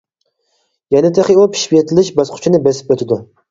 يەنە تېخى ئۇ پىشىپ يېتىلىش باسقۇچىنى بېسىپ ئۆتىدۇ.